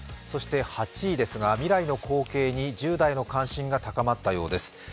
そして８位ですが、未来の光景に１０代の関心が高まったようです。